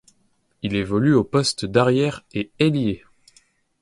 Il évolue au poste d'arrière et Ailier.